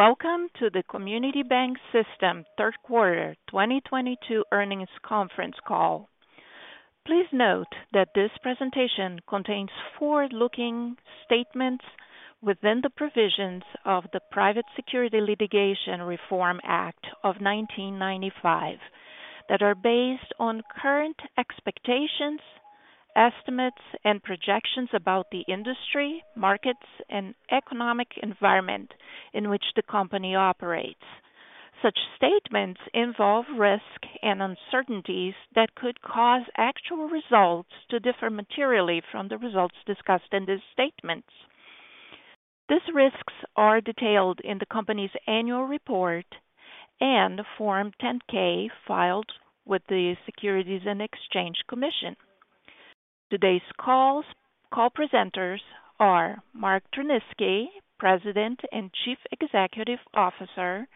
Welcome to the Community Bank System third quarter 2022 earnings conference call. Please note that this presentation contains forward-looking statements within the provisions of the Private Securities Litigation Reform Act of 1995 that are based on current expectations, estimates, and projections about the industry, markets, and economic environment in which the company operates. Such statements involve risk and uncertainties that could cause actual results to differ materially from the results discussed in these statements. These risks are detailed in the company's annual report and Form 10-K filed with the Securities and Exchange Commission. Today's call presenters are Mark Tryniski, President and Chief Executive Officer,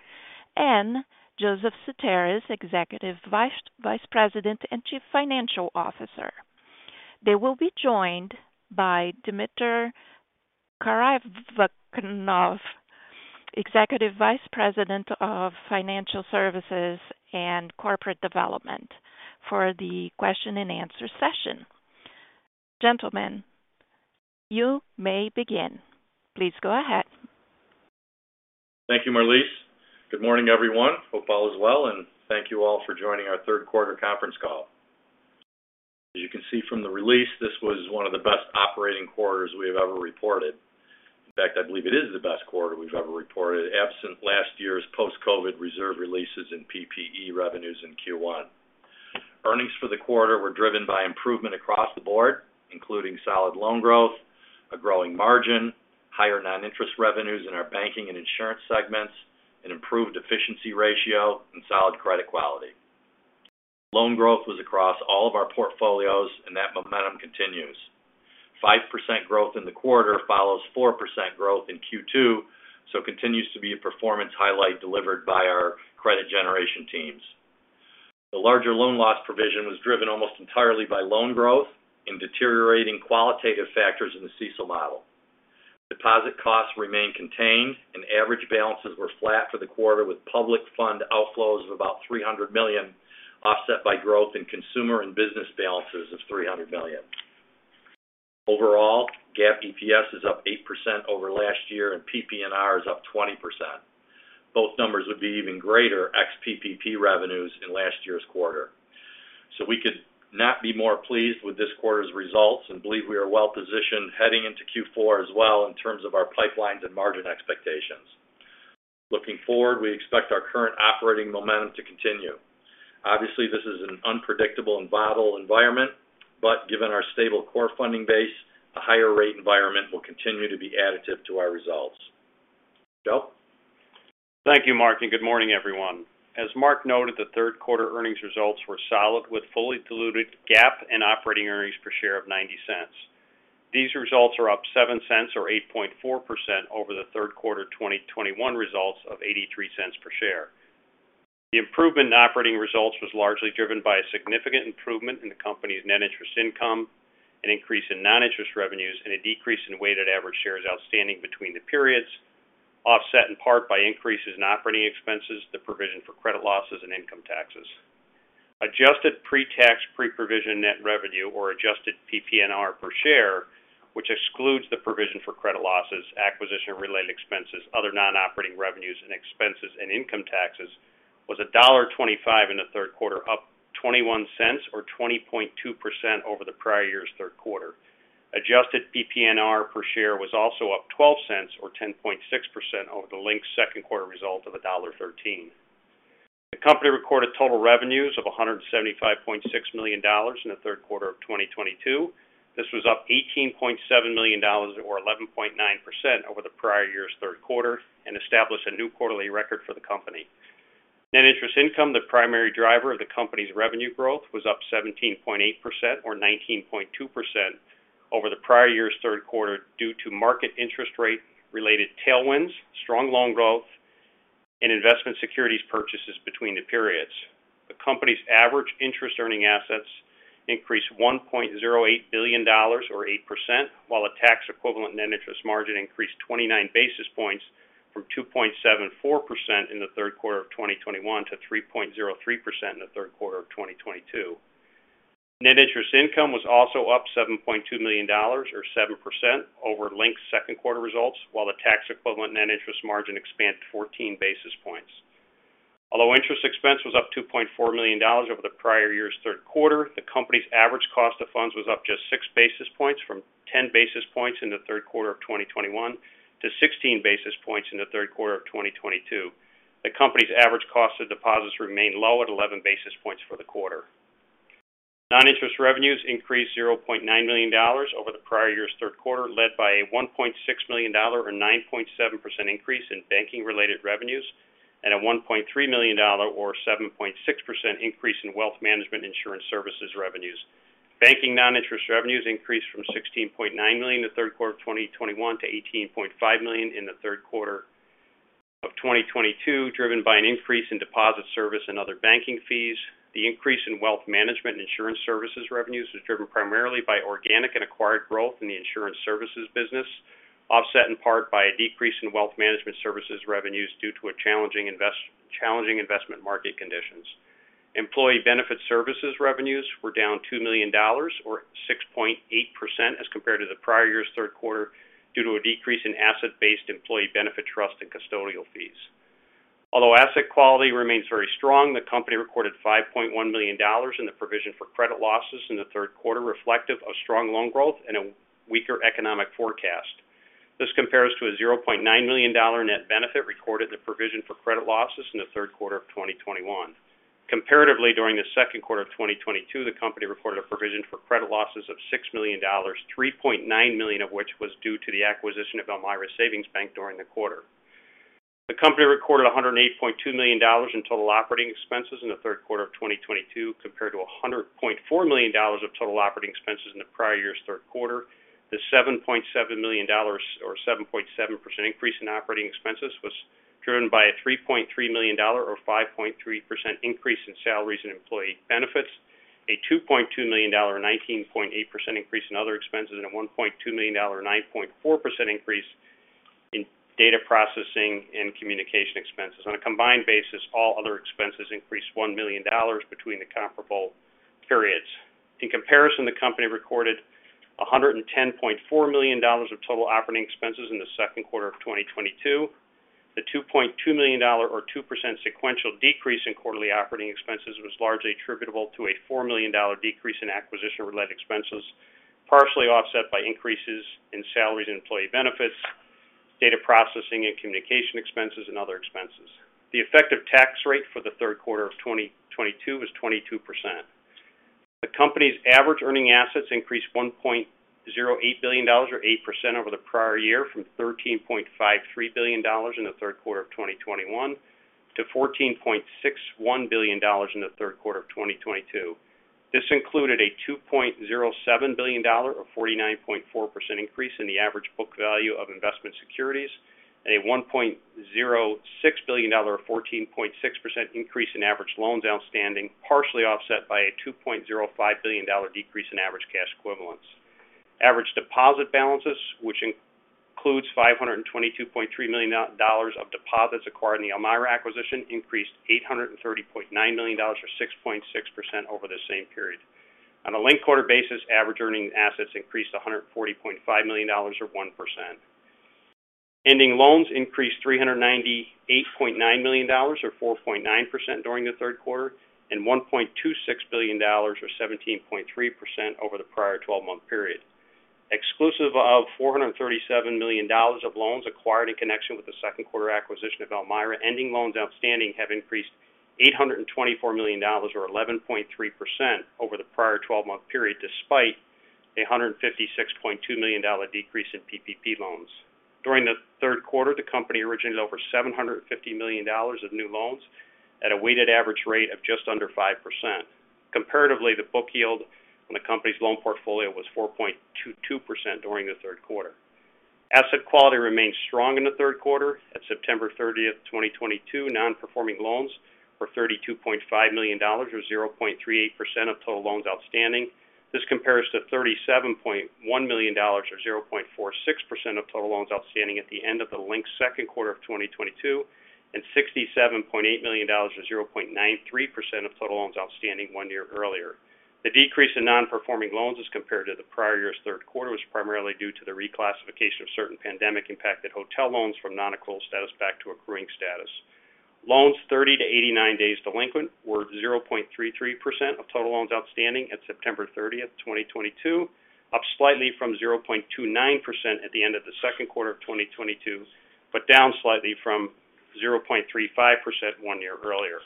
and Joseph Sutaris, Executive Vice President and Chief Financial Officer. They will be joined by Dimitar Karaivanov, Executive Vice President of Financial Services and Corporate Development, for the question-and-answer session. Gentlemen, you may begin. Please go ahead. Thank you, Marlise. Good morning, everyone. Hope all is well, and thank you all for joining our third quarter conference call. As you can see from the release, this was one of the best operating quarters we have ever reported. In fact, I believe it is the best quarter we've ever reported, absent last year's post-COVID reserve releases and PPP revenues in Q1. Earnings for the quarter were driven by improvement across the board, including solid loan growth, a growing margin, higher non-interest revenues in our banking and insurance segments, an improved efficiency ratio and solid credit quality. Loan growth was across all of our portfolios and that momentum continues. 5% growth in the quarter follows 4% growth in Q2, continues to be a performance highlight delivered by our credit generation teams. The larger loan loss provision was driven almost entirely by loan growth and deteriorating qualitative factors in the CECL model. Deposit costs remain contained and average balances were flat for the quarter with public fund outflows of about $300 million, offset by growth in consumer and business balances of $300 million. Overall, GAAP EPS is up 8% over last year and PPNR is up 20%. Both numbers would be even greater ex PPP revenues in last year's quarter. We could not be more pleased with this quarter's results and believe we are well positioned heading into Q4 as well in terms of our pipelines and margin expectations. Looking forward, we expect our current operating momentum to continue. Obviously, this is an unpredictable and volatile environment, but given our stable core funding base, a higher rate environment will continue to be additive to our results. Joe? Thank you, Mark, and good morning, everyone. As Mark noted, the third quarter earnings results were solid with fully diluted GAAP and operating earnings per share of $0.90. These results are up $0.07 or 8.4% over the third quarter 2021 results of $0.83 per share. The improvement in operating results was largely driven by a significant improvement in the company's net interest income, an increase in non-interest revenues, and a decrease in weighted average shares outstanding between the periods, offset in part by increases in operating expenses, the provision for credit losses, and income taxes. Adjusted pre-tax, pre-provision net revenue or adjusted PPNR per share, which excludes the provision for credit losses, acquisition related expenses, other non-operating revenues and expenses and income taxes, was $1.25 in the third quarter, up $0.21 or 20.2% over the prior year's third quarter. Adjusted PPNR per share was also up $0.12 or 10.6% over the linked second quarter result of $1.13. The company recorded total revenues of $175.6 million in the third quarter of 2022. This was up $18.7 million or 11.9% over the prior year's third quarter and established a new quarterly record for the company. Net interest income, the primary driver of the company's revenue growth, was up 17.8% or 19.2% over the prior year's third quarter due to market interest rate related tailwinds, strong loan growth and investment securities purchases between the periods. The company's average interest earning assets increased $1.08 billion or 8%, while the tax equivalent net interest margin increased 29 basis points from 2.74% in the third quarter of 2021 to 3.03% in the third quarter of 2022. Net interest income was also up $7.2 million or 7% over linked second quarter results, while the tax equivalent net interest margin expanded 14 basis points. Although interest expense was up $2.4 million over the prior year's third quarter, the company's average cost of funds was up just six basis points from 10 basis points in the third quarter of 2021 to 16 basis points in the third quarter of 2022. The company's average cost of deposits remained low at 11 basis points for the quarter. Non-interest revenues increased $0.9 million over the prior year's third quarter, led by a $1.6 million or 9.7% increase in banking related revenues and a $1.3 million or 7.6% increase in wealth management insurance services revenues. Banking non-interest revenues increased from $16.9 million in the third quarter of 2021 to $18.5 million in the third quarter of 2022, driven by an increase in deposit service and other banking fees. The increase in wealth management insurance services revenues was driven primarily by organic and acquired growth in the insurance services business, offset in part by a decrease in wealth management services revenues due to a challenging investment market conditions. Employee benefit services revenues were down $2 million or 6.8% as compared to the prior year's third quarter due to a decrease in asset-based employee benefit trust and custodial fees. Although asset quality remains very strong, the company recorded $5.1 million in the provision for credit losses in the third quarter, reflective of strong loan growth and a weaker economic forecast. This compares to a $0.9 million net benefit recorded in the provision for credit losses in the third quarter of 2021. Comparatively, during the second quarter of 2022, the company reported a provision for credit losses of $6 million, $3.9 million of which was due to the acquisition of Elmira Savings Bank during the quarter. The company recorded $108.2 million in total operating expenses in the third quarter of 2022, compared to $100.4 million of total operating expenses in the prior year's third quarter. The $7.7 million or 7.7% increase in operating expenses was driven by a $3.3 million or 5.3% increase in salaries and employee benefits. A $2.2 million or 19.8% increase in other expenses and a $1.2 million or 9.4% increase in data processing and communication expenses. On a combined basis, all other expenses increased $1 million between the comparable periods. In comparison, the company recorded $110.4 million of total operating expenses in the second quarter of 2022. The $2.2 million or 2% sequential decrease in quarterly operating expenses was largely attributable to a $4 million decrease in acquisition-related expenses, partially offset by increases in salaries and employee benefits, data processing and communication expenses, and other expenses. The effective tax rate for the third quarter of 2022 was 22%. The company's average earning assets increased $1.08 billion or 8% over the prior year, from $13.53 billion in the third quarter of 2021 to $14.61 billion in the third quarter of 2022. This included a $2.07 billion or 49.4% increase in the average book value of investment securities and a $1.06 billion or 14.6% increase in average loans outstanding, partially offset by a $2.05 billion dollar decrease in average cash equivalents. Average deposit balances, which includes $522.3 million dollars of deposits acquired in the Elmira acquisition, increased $830.9 million or 6.6% over the same period. On a linked quarter basis, average earning assets increased $140.5 million or 1%. Ending loans increased $398.9 million or 4.9% during the third quarter, and $1.26 billion or 17.3% over the prior twelve-month period. Exclusive of $437 million of loans acquired in connection with the second quarter acquisition of Elmira, ending loans outstanding have increased $824 million or 11.3% over the prior twelve-month period, despite a $156.2 million decrease in PPP loans. During the third quarter, the company originated over $750 million of new loans at a weighted average rate of just under 5%. Comparatively, the book yield on the company's loan portfolio was 4.22% during the third quarter. Asset quality remained strong in the third quarter. At September 30th, 2022, non-performing loans were $32.5 million or 0.38% of total loans outstanding. This compares to $37.1 million or 0.46% of total loans outstanding at the end of the linked second quarter of 2022, and $67.8 million or 0.93% of total loans outstanding one year earlier. The decrease in non-performing loans as compared to the prior year's third quarter was primarily due to the reclassification of certain pandemic impacted hotel loans from non-accrual status back to accruing status. Loans 30-89 days delinquent were 0.33% of total loans outstanding at September 30th, 2022, up slightly from 0.29% at the end of the second quarter of 2022, but down slightly from 0.35% one year earlier.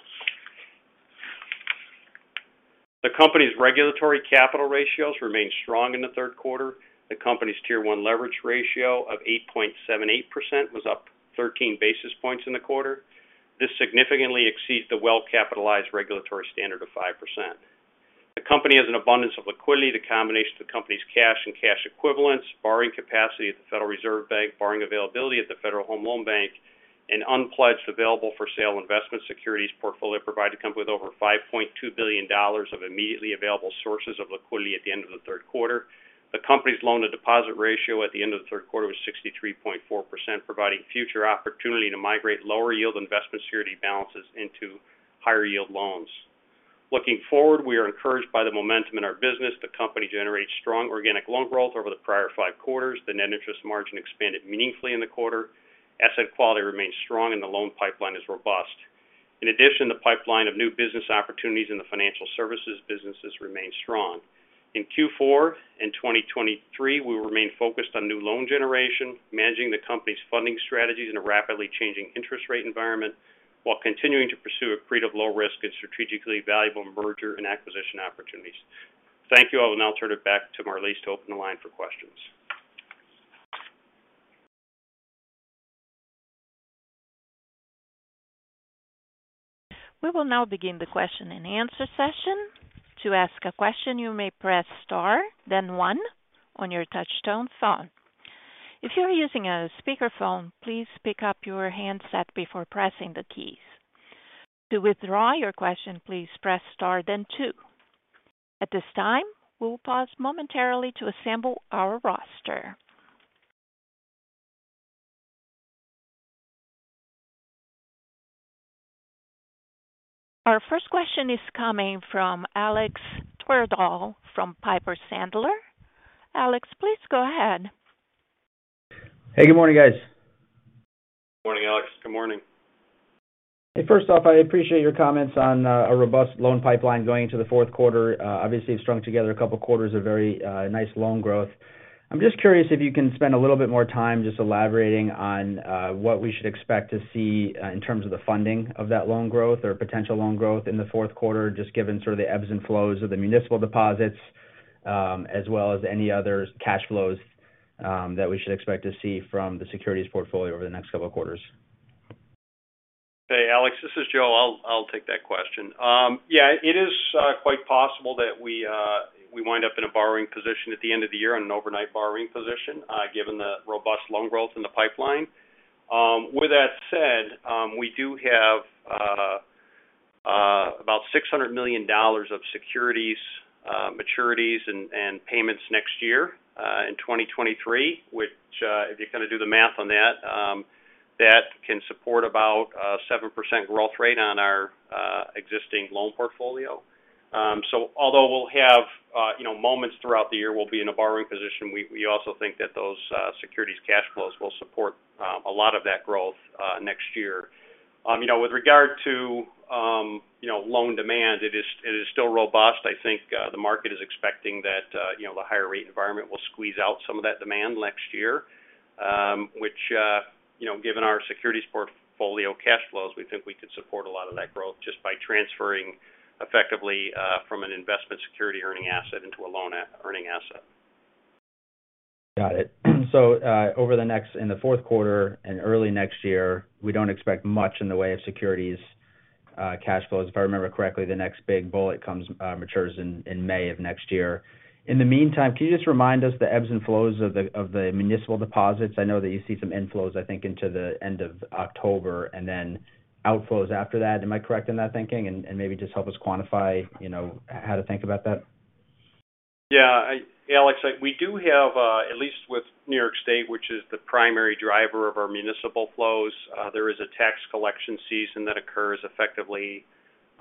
The company's regulatory capital ratios remained strong in the third quarter. The company's Tier 1 leverage ratio of 8.78% was up 13 basis points in the quarter. This significantly exceeds the well-capitalized regulatory standard of 5%. The company has an abundance of liquidity. The combination of the company's cash and cash equivalents, borrowing capacity at the Federal Reserve Bank, borrowing availability at the Federal Home Loan Bank, and unpledged available for sale investment securities portfolio provide the company with over $5.2 billion of immediately available sources of liquidity at the end of the third quarter. The company's loan to deposit ratio at the end of the third quarter was 63.4%, providing future opportunity to migrate lower yield investment security balances into higher yield loans. Looking forward, we are encouraged by the momentum in our business. The company generates strong organic loan growth over the prior five quarters. The net interest margin expanded meaningfully in the quarter. Asset quality remains strong and the loan pipeline is robust. In addition, the pipeline of new business opportunities in the financial services businesses remain strong. In Q4 in 2023, we will remain focused on new loan generation, managing the company's funding strategies in a rapidly changing interest rate environment while continuing to pursue accretive low risk and strategically valuable merger and acquisition opportunities. Thank you. I will now turn it back to Marlise to open the line for questions. We will now begin the question-and-answer session. To ask a question, you may press star, then one on your touchtone phone. If you are using a speakerphone, please pick up your handset before pressing the keys. To withdraw your question, please press star then two. At this time, we will pause momentarily to assemble our roster. Our first question is coming from Alexander Twerdahl from Piper Sandler. Alex, please go ahead. Hey, good morning, guys. Morning, Alex. Good morning. Hey, first off, I appreciate your comments on a robust loan pipeline going into the fourth quarter. Obviously you've strung together a couple quarters of very nice loan growth. I'm just curious if you can spend a little bit more time just elaborating on what we should expect to see in terms of the funding of that loan growth or potential loan growth in the fourth quarter, just given sort of the ebbs and flows of the municipal deposits, as well as any other cash flows that we should expect to see from the securities portfolio over the next couple of quarters. Hey, Alex, this is Joe. I'll take that question. Yeah, it is quite possible that we wind up in a borrowing position at the end of the year on an overnight borrowing position, given the robust loan growth in the pipeline. With that said, we do have about $600 million of securities maturities and payments next year in 2023, which, if you kind of do the math on that can support about a 7% growth rate on our existing loan portfolio. Although we'll have, you know, moments throughout the year, we'll be in a borrowing position. We also think that those securities cash flows will support a lot of that growth next year. You know, with regard to, you know, loan demand, it is still robust. I think the market is expecting that, you know, the higher rate environment will squeeze out some of that demand next year, which, you know, given our securities portfolio cash flows, we think we could support a lot of that growth just by transferring effectively from an investment security earning asset into a loan earning asset. Got it. In the fourth quarter and early next year, we don't expect much in the way of securities cash flows. If I remember correctly, the next big bullet matures in May of next year. In the meantime, can you just remind us of the ebbs and flows of the municipal deposits? I know that you see some inflows, I think, into the end of October and then outflows after that. Am I correct in that thinking? Maybe just help us quantify, you know, how to think about that. Yeah. Alex, we do have at least with New York State, which is the primary driver of our municipal flows, there is a tax collection season that occurs effectively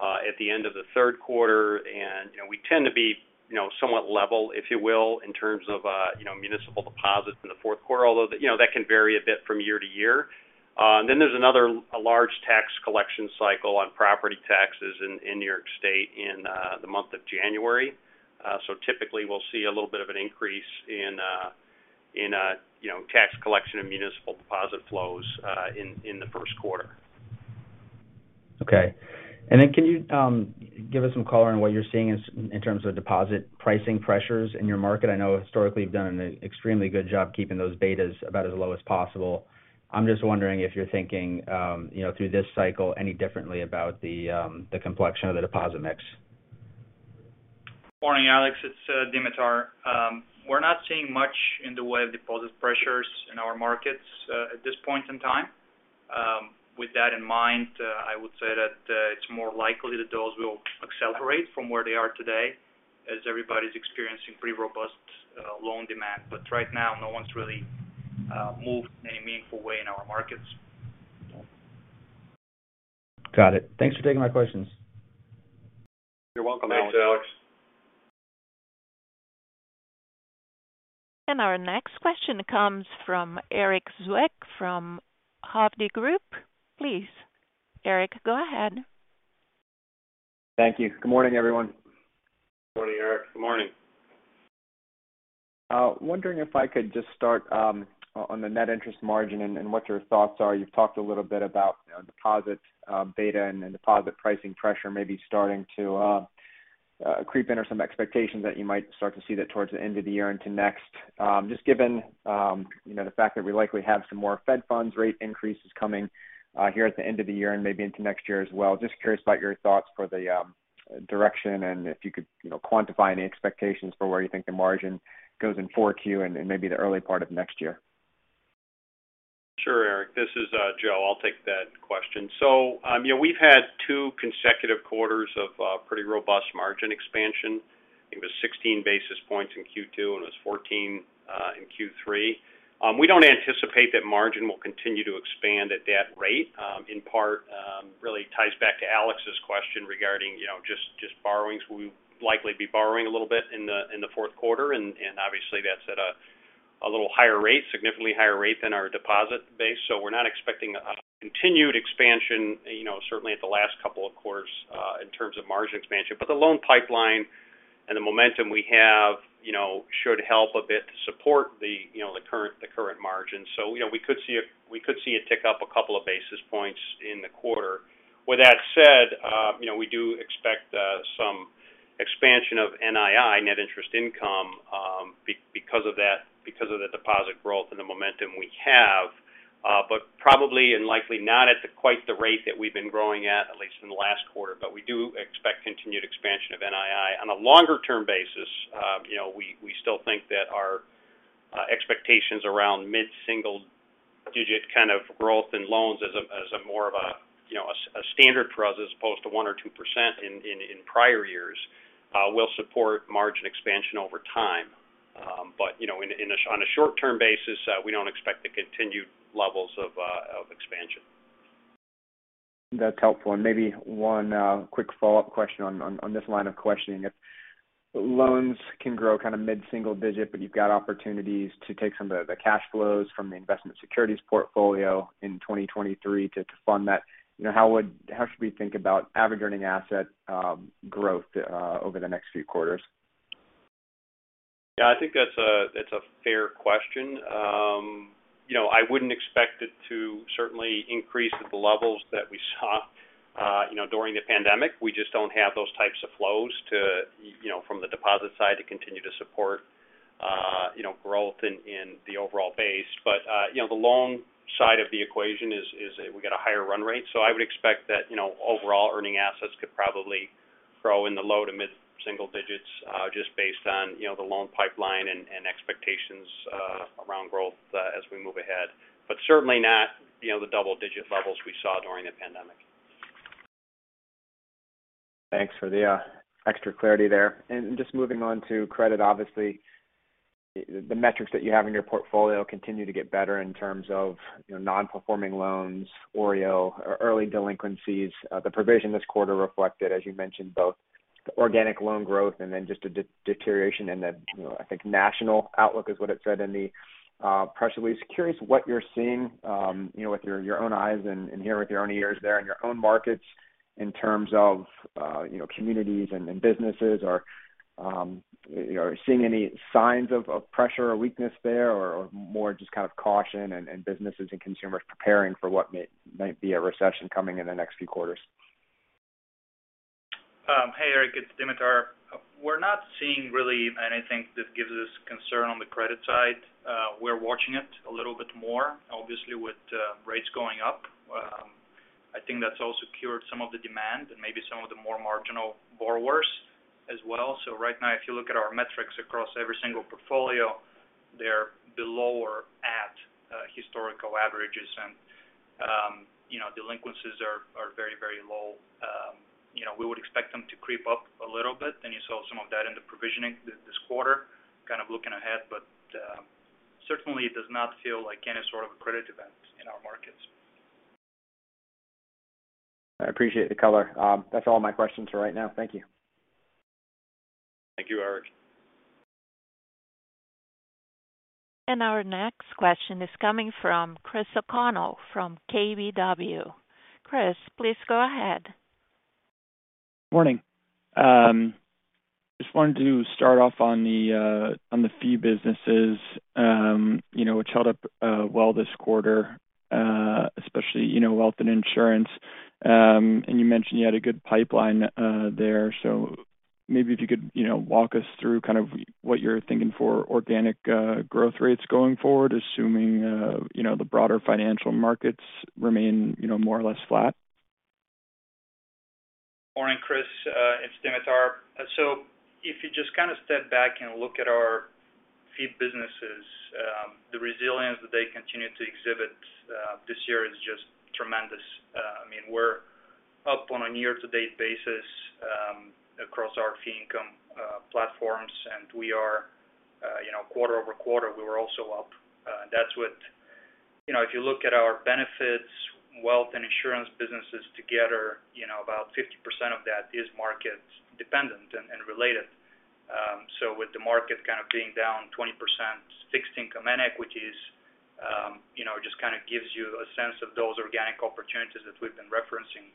at the end of the third quarter. You know, we tend to be, you know, somewhat level, if you will, in terms of, you know, municipal deposits in the fourth quarter, although that, you know, that can vary a bit from year to year. Then there's another, a large tax collection cycle on property taxes in New York State in the month of January. Typically we'll see a little bit of an increase in, you know, tax collection and municipal deposit flows in the first quarter. Okay. Can you give us some color on what you're seeing in terms of deposit pricing pressures in your market? I know historically you've done an extremely good job keeping those betas about as low as possible. I'm just wondering if you're thinking, you know, through this cycle any differently about the complexion of the deposit mix. Morning, Alex. It's Dimitar. We're not seeing much in the way of deposit pressures in our markets at this point in time. With that in mind, I would say that it's more likely that those will accelerate from where they are today as everybody's experiencing pretty robust loan demand. Right now, no one's really moved in a meaningful way in our markets. Got it. Thanks for taking my questions. You're welcome, Alex. Thanks, Alex. Our next question comes from Erik Zwick from Hovde Group. Please, Erik, go ahead. Thank you. Good morning, everyone. Morning, Erik. Good morning. Wondering if I could just start on the net interest margin and what your thoughts are. You've talked a little bit about, you know, deposits, beta and deposit pricing pressure maybe starting to creep in or some expectations that you might start to see that towards the end of the year into next. Just given, you know, the fact that we likely have some more Fed funds rate increases coming here at the end of the year and maybe into next year as well. Just curious about your thoughts for the direction and if you could, you know, quantify any expectations for where you think the margin goes in 4Q and maybe the early part of next year. Sure, Erik. This is, Joe. I'll take that question. You know, we've had two consecutive quarters of pretty robust margin expansion. I think it was 16 basis points in Q2, and it was 14 in Q3. We don't anticipate that margin will continue to expand at that rate. In part, really ties back to Alex's question regarding, you know, just borrowings. We'll likely be borrowing a little bit in the fourth quarter. And obviously that's at a little higher rate, significantly higher rate than our deposit base. We're not expecting a continued expansion, you know, certainly at the last couple of quarters in terms of margin expansion. But the loan pipeline and the momentum we have, you know, should help a bit to support the, you know, the current margin. You know, we could see it tick up a couple of basis points in the quarter. With that said, you know, we do expect some expansion of NII, net interest income, because of that, because of the deposit growth and the momentum we have. Probably and likely not at quite the rate that we've been growing at least in the last quarter. We do expect continued expansion of NII. On a longer-term basis, you know, we still think that our expectations around mid-single digit kind of growth in loans as more of a standard for us as opposed to 1% or 2% in prior years will support margin expansion over time. You know, on a short-term basis, we don't expect the continued levels of expansion. That's helpful. Maybe one quick follow-up question on this line of questioning. If loans can grow kind of mid-single-digit, but you've got opportunities to take some of the cash flows from the investment securities portfolio in 2023 to fund that, you know, how should we think about average earning asset growth over the next few quarters? Yeah, I think that's a fair question. You know, I wouldn't expect it to certainly increase at the levels that we saw, you know, during the pandemic. We just don't have those types of flows to, you know, from the deposit side to continue to support, you know, growth in the overall base. You know, the loan side of the equation is we got a higher run rate. I would expect that, you know, overall earning assets could probably grow in the low to mid-single digits, just based on, you know, the loan pipeline and expectations, around growth, as we move ahead. Certainly not, you know, the double-digit levels we saw during the pandemic. Thanks for the extra clarity there. Just moving on to credit, obviously, the metrics that you have in your portfolio continue to get better in terms of, you know, non-performing loans, OREO, or early delinquencies. The provision this quarter reflected, as you mentioned, both organic loan growth and then just a deterioration in the, you know, I think national outlook is what it said in the press release. Curious what you're seeing, you know, with your own eyes and hear with your own ears there in your own markets in terms of, you know, communities and businesses. Or, are you seeing any signs of pressure or weakness there or more just kind of caution and businesses and consumers preparing for what might be a recession coming in the next few quarters? Hey, Erik, it's Dimitar. We're not seeing really anything that gives us concern on the credit side. We're watching it a little bit more, obviously, with rates going up. I think that's also cured some of the demand and maybe some of the more marginal borrowers as well. Right now, if you look at our metrics across every single portfolio, they're below or at historical averages. You know, delinquencies are very, very low. You know, we would expect them to creep up a little bit, and you saw some of that in the provisioning this quarter, kind of looking ahead. Certainly it does not feel like any sort of a credit event in our markets. I appreciate the color. That's all my questions for right now. Thank you. Thank you, Erik. Our next question is coming from Chris O'Connell from KBW. Chris, please go ahead. Morning. Just wanted to start off on the fee businesses, you know, which held up well this quarter, especially, you know, wealth and insurance. You mentioned you had a good pipeline there. Maybe if you could, you know, walk us through kind of what you're thinking for organic growth rates going forward, assuming you know, the broader financial markets remain, you know, more or less flat. Morning, Chris. It's Dimitar. If you just kind of step back and look at our fee businesses, the resilience that they continue to exhibit this year is just tremendous. I mean, we're up on a year-to-date basis, across our fee income platforms, and we are, you know, quarter-over-quarter, we were also up. You know, if you look at our benefits, wealth, and insurance businesses together, you know, about 50% of that is market dependent and related. With the market kind of being down 20%, fixed income and equities, you know, it just kind of gives you a sense of those organic opportunities that we've been referencing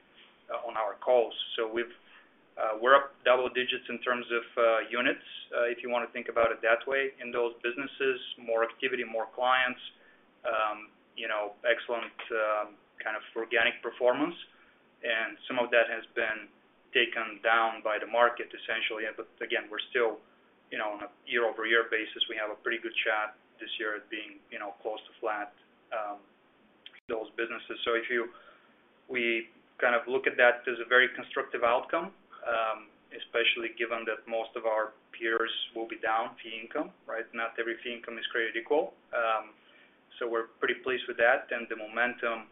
on our calls. We're up double digits in terms of units if you want to think about it that way in those businesses, more activity, more clients, you know, excellent kind of organic performance. Some of that has been taken down by the market essentially. Again, we're still, you know, on a year-over-year basis, we have a pretty good shot this year at being, you know, close to flat, those businesses. We kind of look at that as a very constructive outcome, especially given that most of our peers will be down fee income, right? Not every fee income is created equal. We're pretty pleased with that. The momentum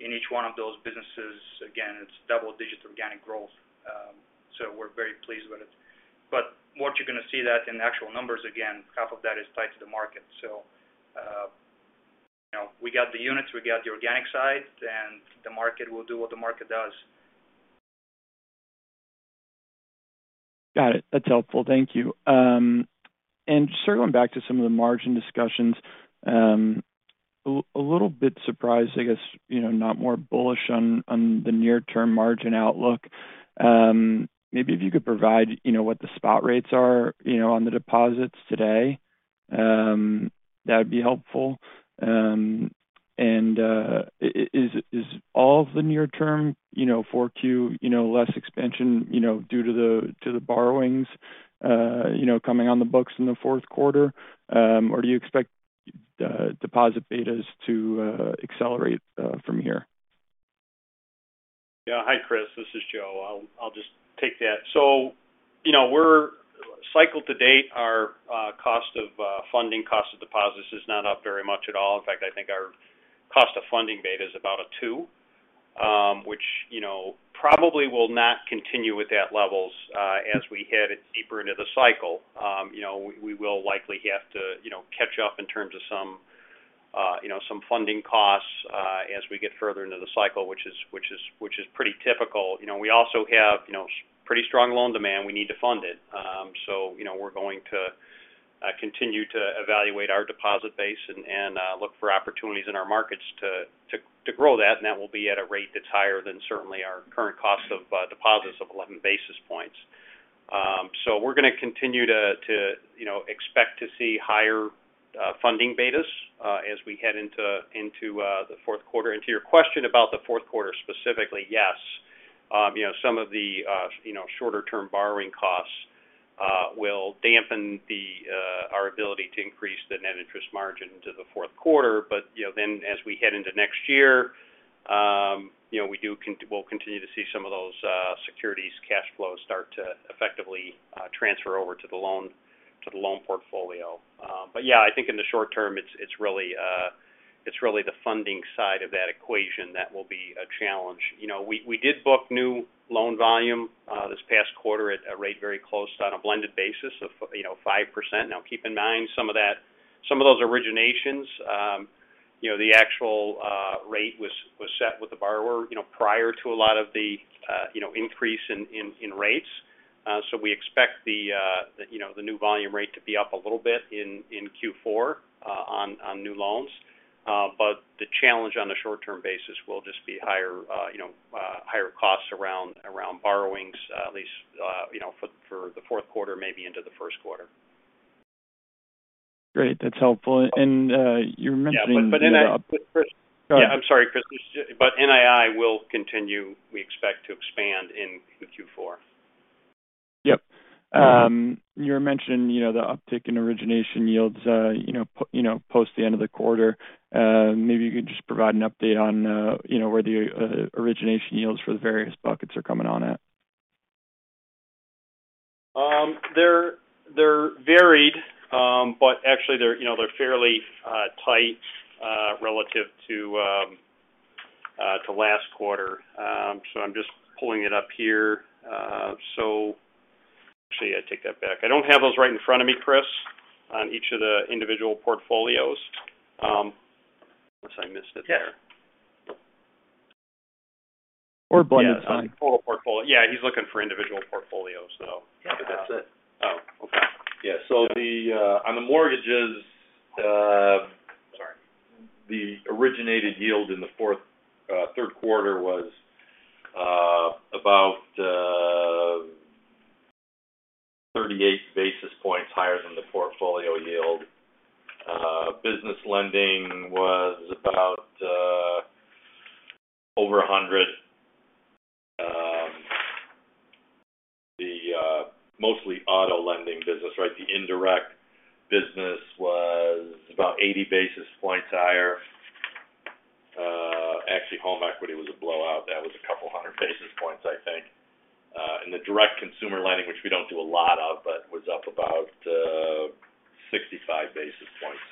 in each one of those businesses, again, it's double-digit organic growth. We're very pleased with it. What you're going to see that in actual numbers, again, half of that is tied to the market. You know, we got the units, we got the organic side, and the market will do what the market does. Got it. That's helpful. Thank you. Circling back to some of the margin discussions, a little bit surprised, I guess, you know, not more bullish on the near-term margin outlook. Maybe if you could provide, you know, what the spot rates are, you know, on the deposits today, that would be helpful. Is all of the near-term 4Q less expansion due to the borrowings coming on the books in the fourth quarter or do you expect deposit betas to accelerate from here? Yeah. Hi, Chris. This is Joe. I'll just take that. You know, we're cycle-to-date our cost of funding, cost of deposits is not up very much at all. In fact, I think our cost of funding beta is about two, which, you know, probably will not continue at that level as we head deeper into the cycle. You know, we will likely have to catch up in terms of some funding costs as we get further into the cycle, which is pretty typical. You know, we also have a pretty strong loan demand. We need to fund it. So, you know, we're going to continue to evaluate our deposit base and look for opportunities in our markets to grow that, and that will be at a rate that's higher than certainly our current cost of deposits of 11 basis points. So we're going to continue to you know expect to see higher funding betas as we head into the fourth quarter. To your question about the fourth quarter specifically, yes. You know, some of the you know shorter-term borrowing costs will dampen our ability to increase the net interest margin into the fourth quarter. You know, then as we head into next year, you know, we'll continue to see some of those securities cash flows start to effectively transfer over to the loan portfolio. Yeah, I think in the short-term, it's really the funding side of that equation that will be a challenge. You know, we did book new loan volume this past quarter at a rate very close on a blended basis of 5%. Now, keep in mind, some of that, some of those originations, you know, the actual rate was set with the borrower, you know, prior to a lot of the increase in rates. We expect the, you know, the new volume rate to be up a little bit in Q4 on new loans. The challenge on the short-term basis will just be higher, you know, higher costs around borrowings, at least, you know, for the fourth quarter, maybe into the first quarter. Great. That's helpful. Go ahead. Yeah. I'm sorry, Chris. NII will continue, we expect, to expand in the Q4. Yep. You were mentioning, you know, the uptick in origination yields, you know, post the end of the quarter. Maybe you could just provide an update on, you know, where the origination yields for the various buckets are coming on at. They're varied, but actually they're, you know, they're fairly tight relative to last quarter. I'm just pulling it up here. Actually, I take that back. I don't have those right in front of me, Chris, on each of the individual portfolios. Unless I missed it there. Yeah. Total portfolio. Yeah, he's looking for individual portfolios. Yeah, that's it. On the mortgages. The originated yield in the third quarter was about 38 basis points higher than the portfolio yield. Business lending was about over 100 basis points. The mostly auto lending business, right? The indirect business was about 80 basis points higher. Actually, home equity was a blowout. That was a couple hundred basis points, I think. The direct consumer lending, which we don't do a lot of, but was up about 65 basis points.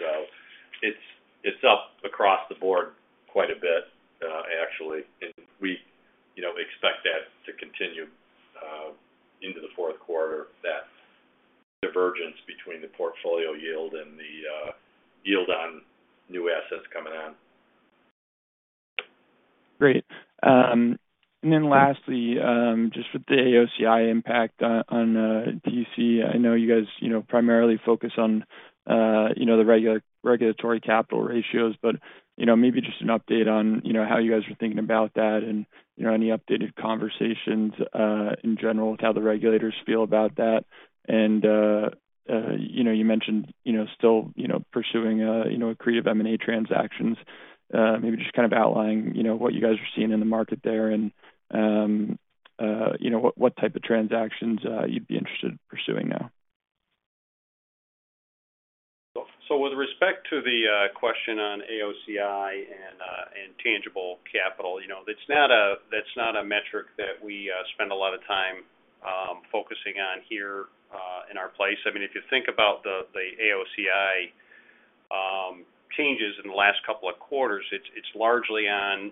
It's up across the board quite a bit, actually. We, you know, expect that to continue into the fourth quarter, that divergence between the portfolio yield and the yield on new assets coming in. Great. Lastly, just with the AOCI impact on TCE, I know you guys primarily focus on the regulatory capital ratios, but maybe just an update on how you guys are thinking about that and any updated conversations in general with how the regulators feel about that. You know, you mentioned still pursuing accretive M&A transactions. Maybe just kind of outlining what you guys are seeing in the market there and what type of transactions you'd be interested in pursuing now. With respect to the question on AOCI and tangible capital, you know, that's not a metric that we spend a lot of time focusing on here in our place. I mean, if you think about the AOCI changes in the last couple of quarters, it's largely on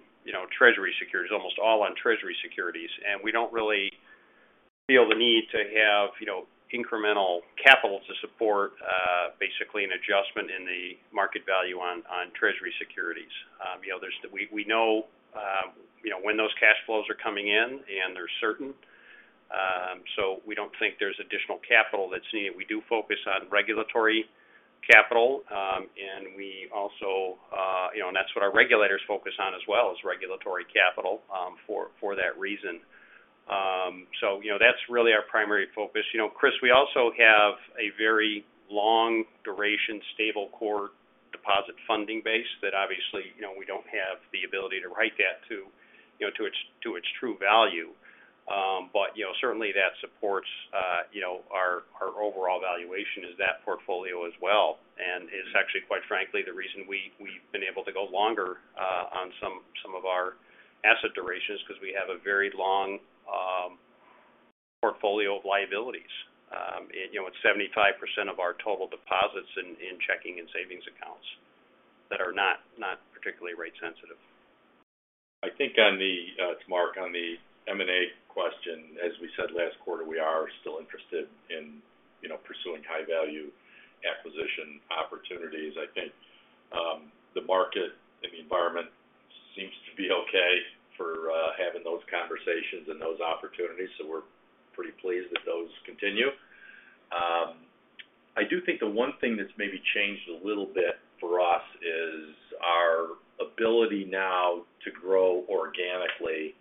treasury securities, almost all on treasury securities. We don't really feel the need to have incremental capital to support basically an adjustment in the market value on treasury securities. We know when those cash flows are coming in, and they're certain. We don't think there's additional capital that's needed. We do focus on regulatory capital, and we also, you know, and that's what our regulators focus on as well, is regulatory capital, for that reason. You know, that's really our primary focus. You know, Chris, we also have a very long duration, stable core deposit funding base that obviously, you know, we don't have the ability to write that, you know, to its true value. You know, certainly that supports our overall valuation is that portfolio as well, and is actually, quite frankly, the reason we've been able to go longer on some of our asset durations because we have a very long portfolio of liabilities. You know, it's 75% of our total deposits in checking and savings accounts that are not particularly rate sensitive. I think on the Mark, on the M&A question, as we said last quarter, we are still interested in, you know, pursuing high-value acquisition opportunities. I think the market and the environment seems to be okay for having those conversations and those opportunities, so we're pretty pleased that those continue. I do think the one thing that's maybe changed a little bit for us is our ability now to grow organically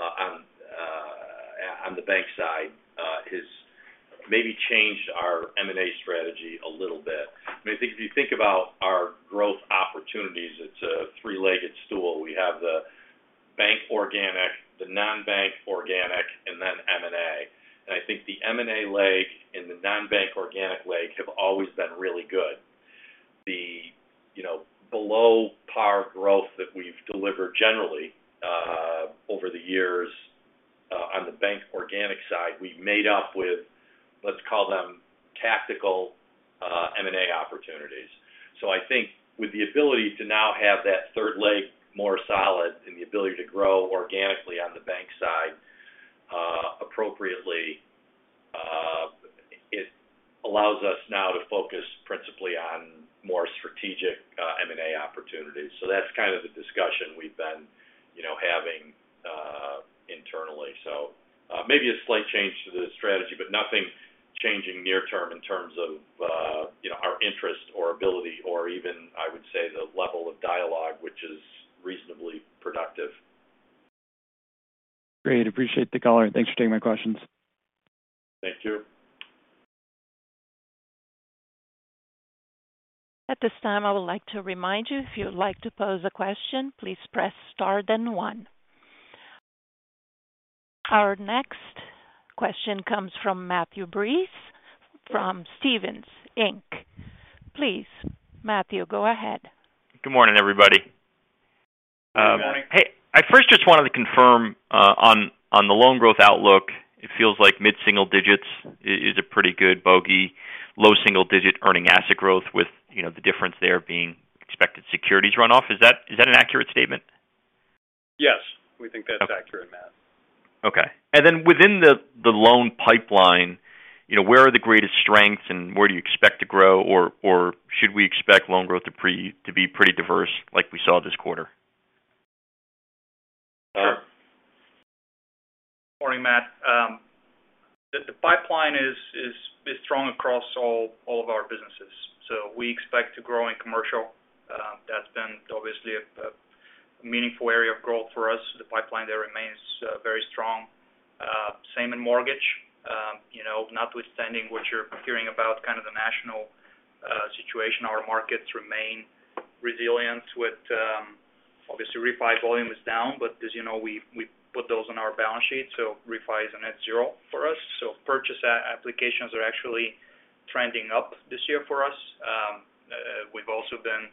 on the bank side has maybe changed our M&A strategy a little bit. I mean, if you think about our growth opportunities, it's a three-legged stool. We have the bank organic, the non-bank organic, and then M&A. I think the M&A leg and the non-bank organic leg have always been really good. You know, below par growth that we've delivered generally over the years on the bank organic side, we've made up with, let's call them tactical M&A opportunities. I think with the ability to now have that third leg more solid and the ability to grow organically on the bank side appropriately, it allows us now to focus principally on more strategic M&A opportunities. That's kind of the discussion we've been, you know, having internally. Maybe a slight change to the strategy, but nothing changing near term in terms of, you know, our interest or ability or even, I would say, the level of dialogue, which is reasonably productive. Great. Appreciate the color, and thanks for taking my questions. Thank you. At this time, I would like to remind you if you would like to pose a question, please press star then one. Our next question comes from Matthew Breese from Stephens Inc. Please, Matthew, go ahead. Good morning, everybody. Good morning. Hey, I first just wanted to confirm on the loan growth outlook. It feels like mid-single digits is a pretty good bogey, low single-digit earning asset growth with, you know, the difference there being expected securities runoff. Is that an accurate statement? Yes. We think that's accurate, Matt. Okay. Within the loan pipeline, you know, where are the greatest strengths and where do you expect to grow or should we expect loan growth to be pretty diverse like we saw this quarter? Morning, Matt. The pipeline is strong across all of our businesses. We expect to grow in commercial. That's been obviously a meaningful area of growth for us. The pipeline there remains very strong. Same in mortgage. You know, notwithstanding what you're hearing about kind of the national situation, our markets remain resilient with obviously refi volume is down, but as you know, we put those on our balance sheet, so refi is a net zero for us. Purchase applications are actually trending up this year for us. We've also been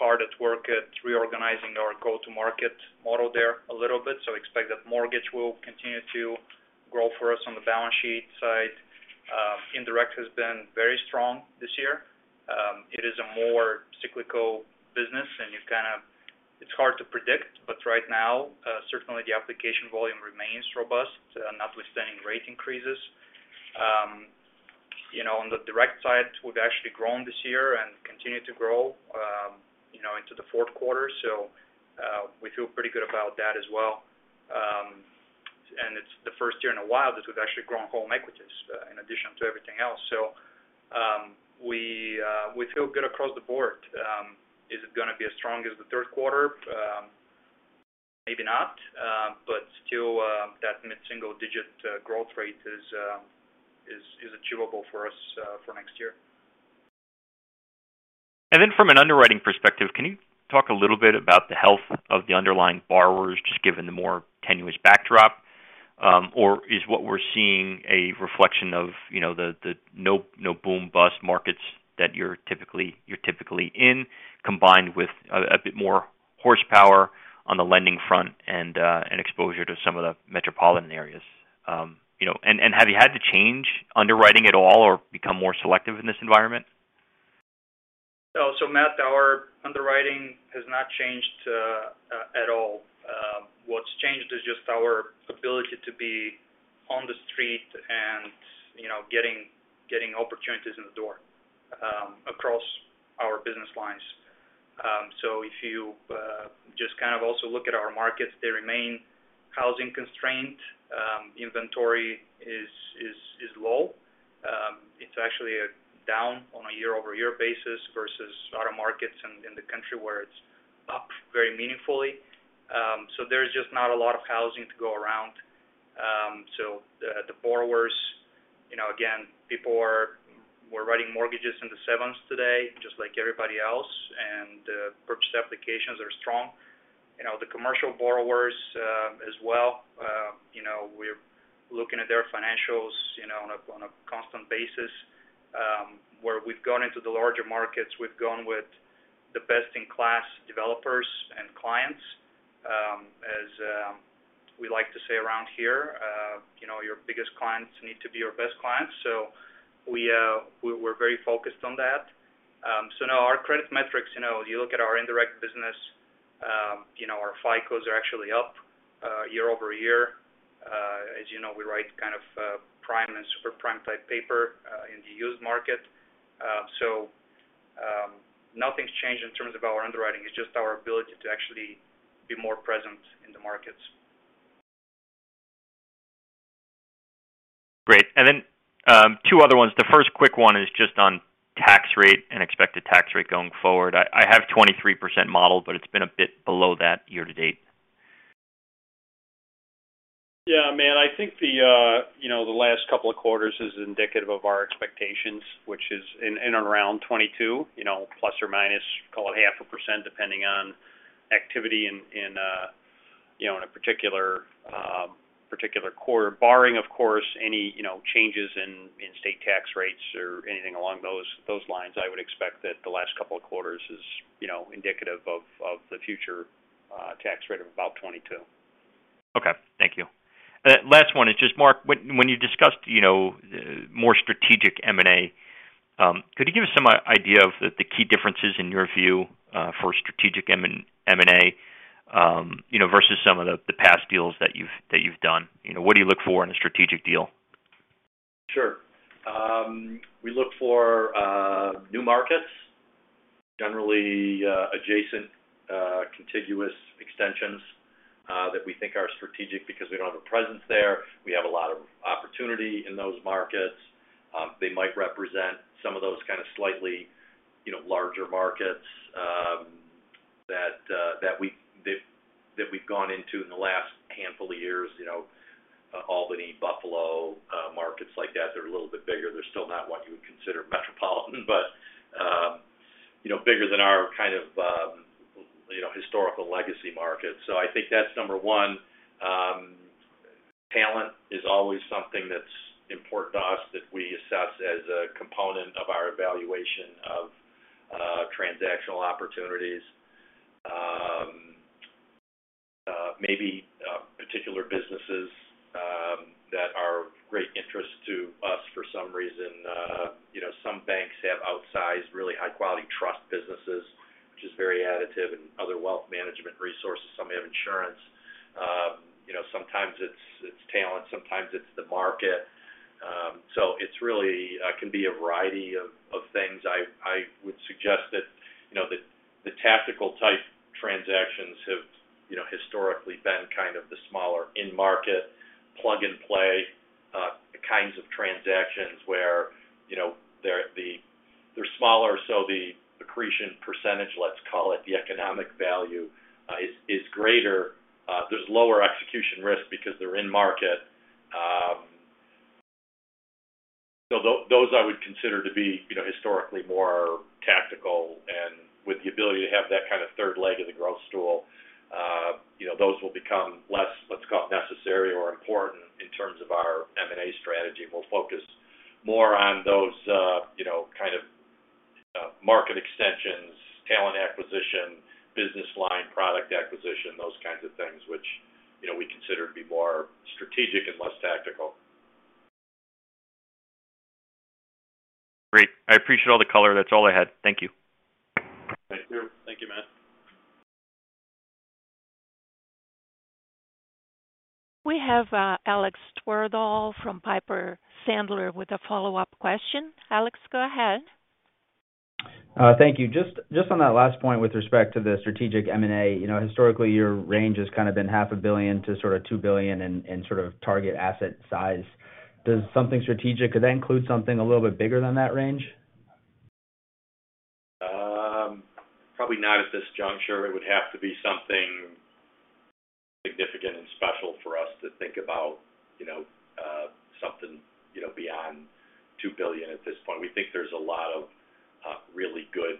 hard at work at reorganizing our go-to-market model there a little bit. Expect that mortgage will continue to grow for us on the balance sheet side. Indirect has been very strong this year. It is a more cyclical business, and it's hard to predict, but right now, certainly the application volume remains robust, notwithstanding rate increases. You know, on the direct side, we've actually grown this year and continue to grow, you know, into the fourth quarter. We feel pretty good about that as well. It's the first year in a while that we've actually grown home equities, in addition to everything else. We feel good across the board. Is it going to be as strong as the third quarter? Maybe not. Still, that mid-single digit growth rate is achievable for us for next year. From an underwriting perspective, can you talk a little bit about the health of the underlying borrowers, just given the more tenuous backdrop? Is what we're seeing a reflection of, you know, the no-boom-bust markets that you're typically in, combined with a bit more horsepower on the lending front and exposure to some of the metropolitan areas? You know, and have you had to change underwriting at all or become more selective in this environment? Matt, our underwriting has not changed at all. What's changed is just our ability to be on the street and, you know, getting opportunities in the door across our business lines. If you just kind of also look at our markets, they remain housing constrained, inventory is low. It's actually down on a year-over-year basis versus other markets in the country where it's up very meaningfully. There's just not a lot of housing to go around. The borrowers, you know, again, we're writing mortgages in the sevens today, just like everybody else, and purchase applications are strong. You know, the commercial borrowers as well, you know, we're looking at their financials, you know, on a constant basis. Where we've gone into the larger markets, we've gone with the best-in-class developers and clients. We like to say around here, you know, your biggest clients need to be your best clients. We're very focused on that. No, our credit metrics, you know, you look at our indirect business, you know, our FICOs are actually up year-over-year. As you know, we write kind of prime and super prime type paper in the used market. Nothing's changed in terms of our underwriting. It's just our ability to actually be more present in the markets. Great. Two other ones. The first quick one is just on tax rate and expected tax rate going forward. I have 23% modeled, but it's been a bit below that year-to-date. Yeah, Matt, I think the you know, the last couple of quarters is indicative of our expectations, which is in and around 22%, you know, plus or minus, call it half a percent, depending on activity in you know, in a particular quarter. Barring, of course, any you know, changes in state tax rates or anything along those lines, I would expect that the last couple of quarters is you know, indicative of the future tax rate of about 22%. Okay. Thank you. Last one is just, Mark, when you discussed, you know, more strategic M&A, could you give us some idea of the key differences in your view, for strategic M&A, you know, versus some of the past deals that you've done? You know, what do you look for in a strategic deal? Sure. We look for new markets, generally, adjacent, contiguous extensions that we think are strategic because we don't have a presence there. We have a lot of opportunity in those markets. They might represent some of those kind of slightly, you know, larger markets that we've gone into in the last handful of years, you know, Albany, Buffalo, markets like that. They're a little bit bigger. They're still not what you would consider metropolitan, but, you know, bigger than our kind of, you know, historical legacy markets. So I think that's number one. Talent is always something that's important to us that we assess as a component of our evaluation of transactional opportunities. Maybe particular businesses that are of great interest to us for some reason. You know, some banks have outsized really high-quality trust businesses, which is very additive, and other wealth management resources. Some have insurance. You know, sometimes it's talent, sometimes it's the market. So it's really can be a variety of things. I would suggest that, you know, the tactical type transactions have, you know, historically been kind of the smaller in-market plug-and-play kinds of transactions where, you know, they're smaller, so the accretion percentage, let's call it the economic value, is greater. There's lower execution risk because they're in market. So those I would consider to be, you know, historically more tactical. With the ability to have that kind of third leg of the growth stool, you know, those will become less, let's call it necessary or important in terms of our M&A strategy. We'll focus more on those, you know, kind of, market extensions, talent acquisition, business line product acquisition, those kinds of things, which, you know, we consider to be more strategic and less tactical. Great. I appreciate all the color. That's all I had. Thank you. Thank you. Thank you, Matt. We have, Alex Twerdahl from Piper Sandler with a follow-up question. Alex, go ahead. Thank you. Just on that last point with respect to the strategic M&A. You know, historically, your range has kind of been $500 million-$2 billion in sort of target asset size. Does something strategic, could that include something a little bit bigger than that range? Probably not at this juncture. It would have to be something significant and special for us to think about, you know, something, you know, beyond $2 billion at this point. We think there's a lot of really good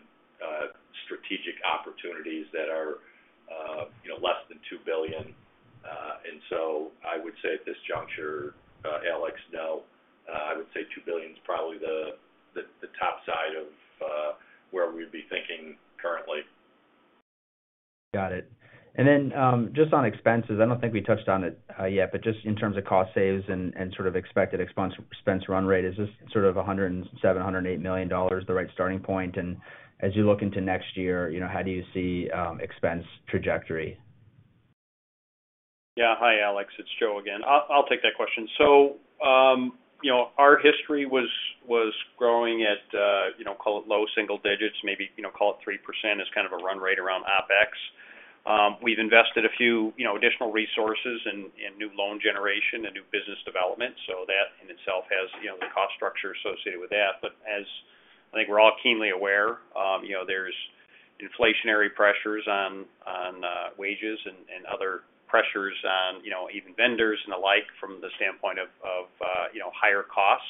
strategic opportunities that are, you know, less than $2 billion. I would say at this juncture, Alex, no. I would say $2 billion is probably the top side of where we'd be thinking currently. Got it. Just on expenses. I don't think we touched on it yet, but just in terms of cost saves and sort of expected expense run rate. Is this sort of $107 million, $108 million the right starting point? As you look into next year, you know, how do you see expense trajectory? Yeah. Hi, Alex. It's Joe again. I'll take that question. Our history was growing at, you know, call it low single digits, maybe, you know, call it 3% as kind of a run rate around OpEx. We've invested a few, you know, additional resources in new loan generation and new business development. That in itself has, you know, the cost structure associated with that. As I think we're all keenly aware, you know, there's inflationary pressures on wages and other pressures on, you know, even vendors and the like from the standpoint of higher costs.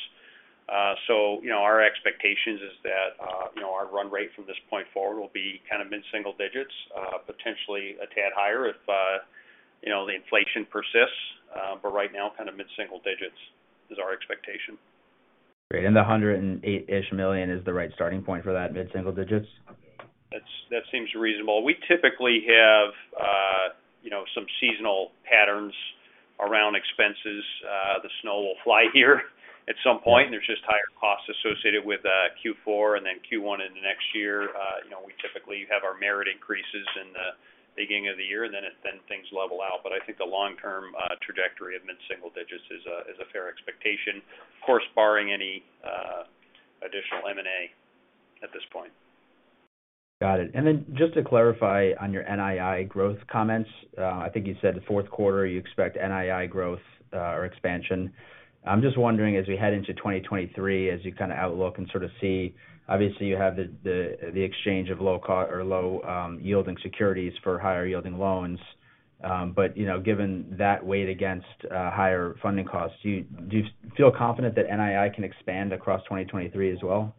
You know, our expectations is that, you know, our run rate from this point forward will be kind of mid-single digits, potentially a tad higher if, you know, the inflation persists. Right now, kind of mid-single digits is our expectation. Great. The $108-ish million is the right starting point for that mid-single digits? That seems reasonable. We typically have, you know, some seasonal patterns around expenses. The snow will fly here at some point. There's just higher costs associated with Q4 and then Q1 into next year. You know, we typically have our merit increases in the beginning of the year and then things level out. I think the long-term trajectory of mid-single digits is a fair expectation, of course, barring any additional M&A at this point. Got it. Just to clarify on your NII growth comments. I think you said the fourth quarter you expect NII growth or expansion. I'm just wondering, as we head into 2023, as you kind of outlook and sort of see, obviously you have the exchange of low yielding securities for higher yielding loans. You know, given that weighed against higher funding costs, do you feel confident that NII can expand across 2023 as well?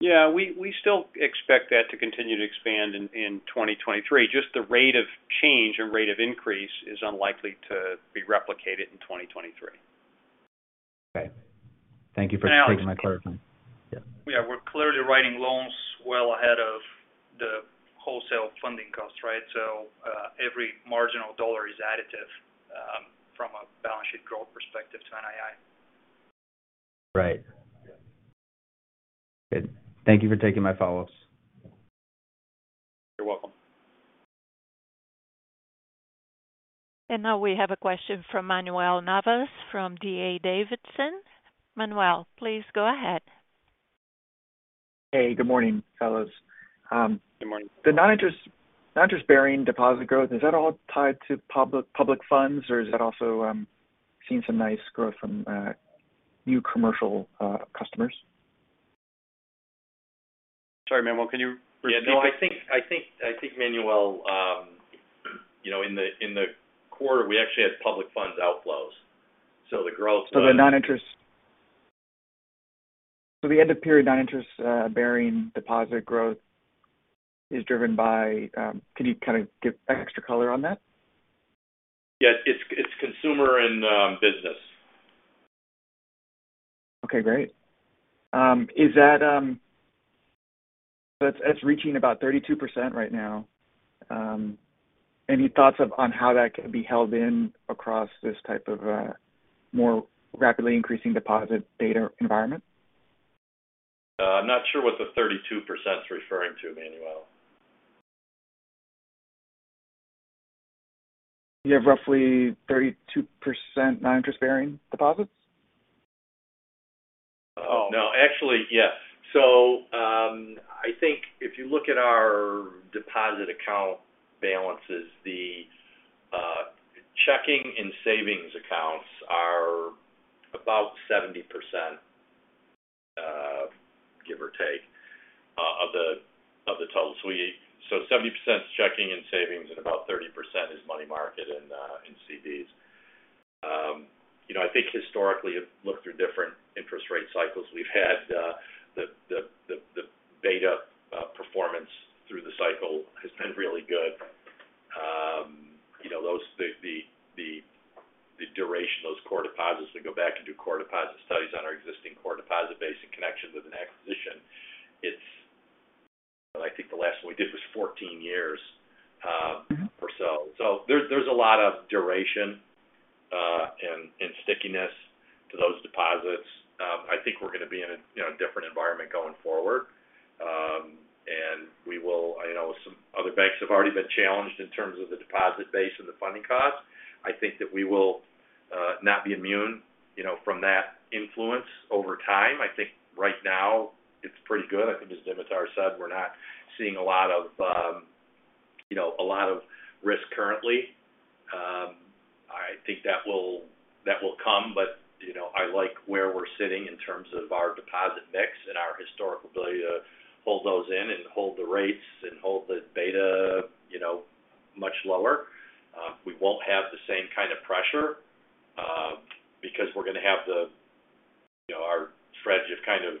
Yeah. We still expect that to continue to expand in 2023. Just the rate of change and rate of increase is unlikely to be replicated in 2023. Okay. Thank you for taking my question. Yeah. We're clearly writing loans well ahead of the wholesale funding costs, right? Every marginal dollar is additive, from a balance sheet growth perspective to NII. Right. Good. Thank you for taking my follow-ups. You're welcome. Now we have a question from Manuel Navas from D.A. Davidson. Manuel, please go ahead. Hey, good morning, fellows. Good morning. The non-interest-bearing deposit growth, is that all tied to public funds, or is that also seeing some nice growth from new commercial customers? Sorry, Manuel, can you repeat that? Yeah, no, I think, Manuel, you know, in the quarter, we actually had public funds outflows. The end of period non-interest bearing deposit growth is driven by, can you kind of give extra color on that? Yeah. It's consumer and business. Okay, great. It's reaching about 32% right now. Any thoughts on how that can be held in across this type of more rapidly increasing deposit beta environment? I'm not sure what the 32%'s referring to, Manuel. You have roughly 32% non-interest bearing deposits. Actually, yes. I think if you look at our deposit account balances, the checking and savings accounts are about 70%, give or take, of the total. 70% is checking and savings, and about 30% is money market and CDs. You know, I think historically, if you look through different interest rate cycles we've had, the beta performance through the cycle has been really good. You know, the duration of those core deposits that go back and do core deposit studies on our existing core deposit base in connection with an acquisition, it's I think the last one we did was 14 years or so. There's a lot of duration and stickiness to those deposits. I think we're going to be in a, you know, different environment going forward. I know some other banks have already been challenged in terms of the deposit base and the funding costs. I think that we will not be immune, you know, from that influence over time. I think right now it's pretty good. I think as Dimitar said, we're not seeing a lot of, you know, a lot of risk currently. I think that will come. I like where we're sitting in terms of our deposit mix and our historical ability to hold those in and hold the rates and hold the beta, you know, much lower. We won't have the same kind of pressure, because we're going to have the, you know, our strategy of kind of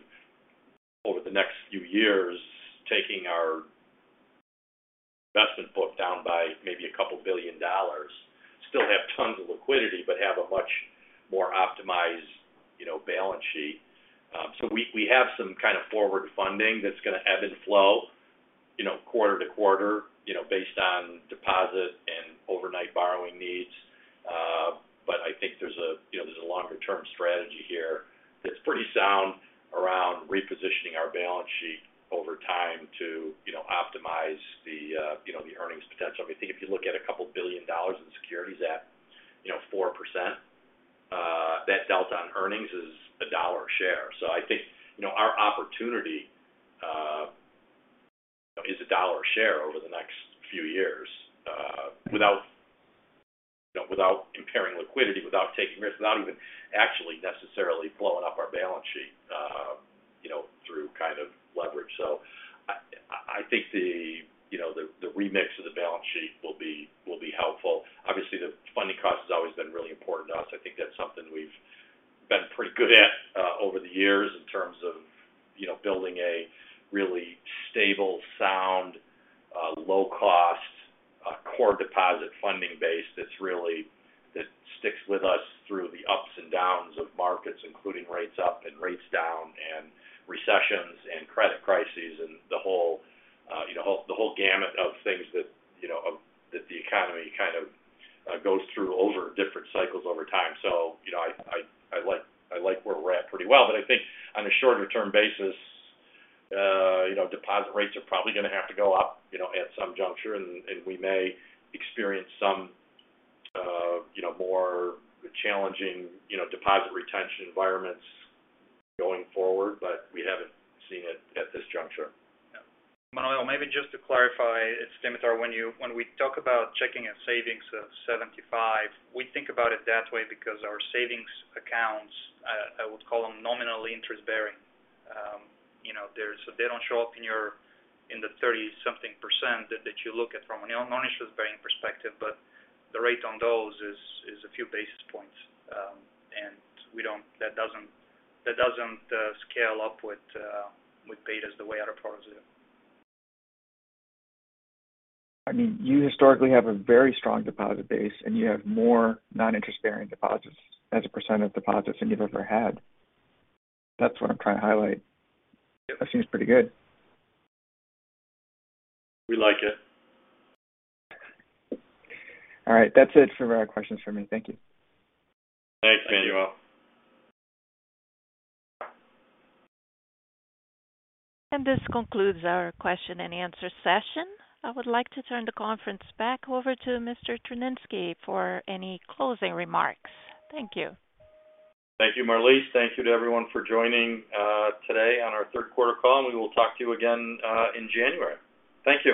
over the next few years, taking our investment book down by maybe a couple billion dollars. Still have tons of liquidity, but have a much more optimized, you know, balance sheet. We have some kind of forward funding that's going to ebb and flow, you know, quarter to quarter, you know, based on deposit and overnight borrowing needs. I think there's a longer-term strategy here that's pretty sound around repositioning our balance sheet over time to, you know, optimize the, you know, the earnings potential. I think if you look at a couple billion dollars in securities at, you know, 4%, that delta on earnings is $1 a share. I think our opportunity is $1 a share over the next few years without impairing liquidity without taking risks without even actually necessarily blowing up our balance sheet through kind of leverage. I think the remix of the balance sheet will be helpful. Obviously, the funding cost has always been really important to us. I think that's something we've been pretty good at, over the years in terms of, you know, building a really stable, sound, low-cost core deposit funding base that sticks with us through the ups and downs of markets, including rates up and rates down, and recessions and credit crises and the whole, you know, the whole gamut of things that, you know, that the economy kind of goes through over different cycles over time. You know, I like where we're at pretty well. I think on a shorter-term basis, you know, deposit rates are probably going to have to go up, you know, at some juncture, and we may experience some, you know, more challenging, you know, deposit retention environments going forward, but we haven't seen it at this juncture. Yeah. Manuel, maybe just to clarify, at [Stymestar] when we talk about checking and savings of 75%, we think about it that way because our savings accounts, I would call them nominal interest-bearing. You know, so they don't show up in the 30-something percent that you look at from a non-interest bearing perspective, but the rate on those is a few basis points. That doesn't scale up with betas the way our deposits do. I mean, you historically have a very strong deposit base, and you have more non-interest-bearing deposits as a percent of deposits than you've ever had. That's what I'm trying to highlight. That seems pretty good. We like it. All right. That's it for questions for me. Thank you. Thanks, Manuel. This concludes our question-and-answer session. I would like to turn the conference back over to Mr. Tryniski for any closing remarks. Thank you. Thank you, Marlise. Thank you to everyone for joining today on our third quarter call, and we will talk to you again in January. Thank you.